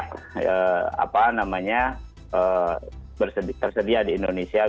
karena itu juga terdapat banyak investasi yang tersedia di indonesia